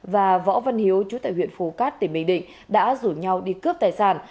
và võ văn hiếu chú tại huyện phú cát tỉnh bình định đã rủ nhau đi cướp tài sản